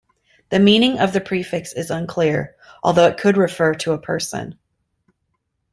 The meaning of the prefix is unclear, although it could refer to a person.